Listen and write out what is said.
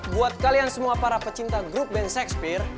buat kalian semua para pecinta grup band sexpear